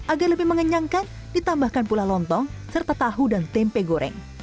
agar lebih mengenyangkan ditambahkan pula lontong serta tahu dan tempe goreng